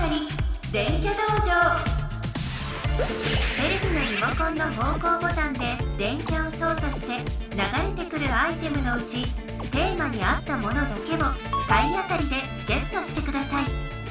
テレビのリモコンのほうこうボタンで電キャをそうさしてながれてくるアイテムのうちテーマに合ったものだけを体当たりでゲットしてください。